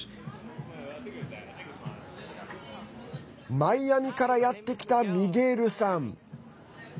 マイアミからやってきたミゲールさん。